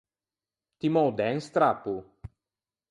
Ti me ô dæ un strappo?